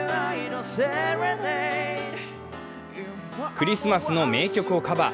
クリスマスの名曲をカバー。